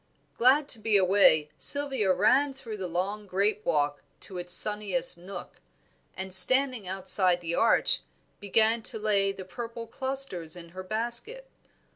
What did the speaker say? Glad to be away, Sylvia ran through the long grape walk to its sunniest nook, and standing outside the arch, began to lay the purple clusters in her basket.